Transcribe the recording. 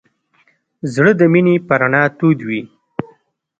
زړه د مینې په رڼا تود وي.